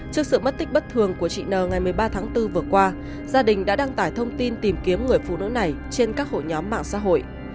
trước sự mất tích bất thường của chị n ngày một mươi ba tháng bốn vừa qua gia đình đã đăng tải thông tin tìm kiếm người phụ nữ này trên các hội nhóm mạng xã hội